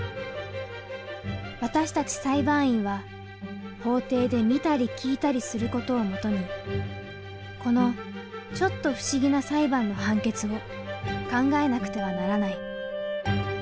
私たち裁判員は法廷で見たり聞いたりする事を基にこのちょっと不思議な裁判の判決を考えなくてはならない。